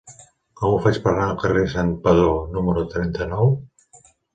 Com ho faig per anar al carrer de Santpedor número trenta-nou?